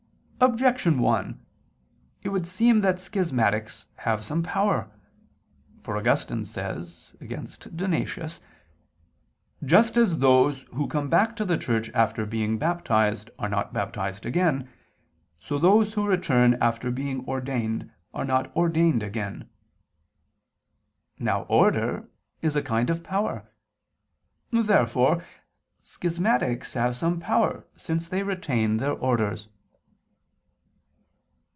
Objection 1: It would seem that schismatics have some power. For Augustine says (Contra Donat. i, 1): "Just as those who come back to the Church after being baptized, are not baptized again, so those who return after being ordained, are not ordained again." Now Order is a kind of power. Therefore schismatics have some power since they retain their Orders.